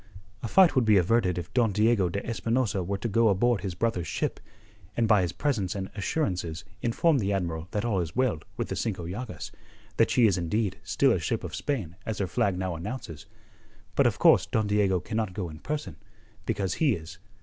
"A fight would be averted if Don Diego de Espinosa were to go aboard his brother's ship, and by his presence and assurances inform the Admiral that all is well with the Cinco Llagas, that she is indeed still a ship of Spain as her flag now announces. But of course Don Diego cannot go in person, because he is...